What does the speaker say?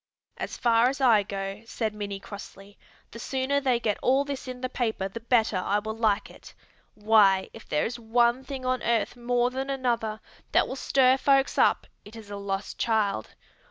"As far as I go," said Minnie crossly, "the sooner they get all this in the paper the better I will like it. Why, if there is one thing on earth more than another that will stir folks up it is a lost child.